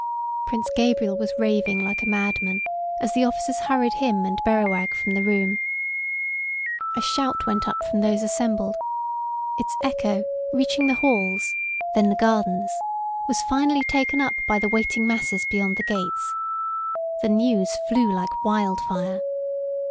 Prince Gabriel was raving like a madman as the officers hurried him and Berrowag from the room. A shout went up from those assembled. Its echo, reaching the halls, then the gardens, was finally taken up by the waiting masses beyond the gates. The news flew like wild fire.